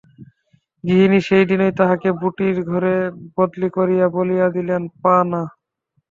গৃহিণী সেই দিনই তাঁহাকে বুটির ঘরে বদলি করিয়া বলিয়া দিলেন, পা না।